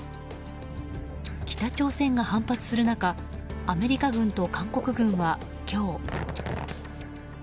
北朝鮮が反発する中アメリカ軍と韓国軍は今日。